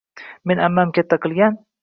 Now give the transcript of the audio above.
Meni ammam katta qilgan